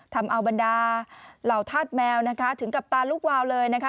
ทำเอาบรรดาเหล่าธาตุแมวนะคะถึงกับตาลูกวาวเลยนะคะ